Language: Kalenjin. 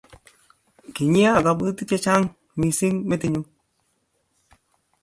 Kinyia kabwatutik che chang mising metinyu